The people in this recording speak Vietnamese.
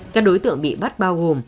các đối tượng bị bắt bao gồm